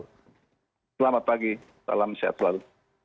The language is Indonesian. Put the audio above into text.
selamat pagi salam sehat selalu